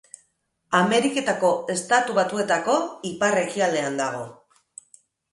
Ameriketako Estatu Batuetako ipar-ekialdean dago.